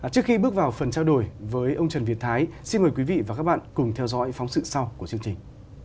trước khi bước vào phần trao đổi với ông trần việt thái xin mời quý vị và các bạn cùng theo dõi phóng sự sau của chương trình